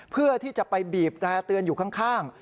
เพื่อที่จะไปบีบแตร่เตือนอยู่ข้าง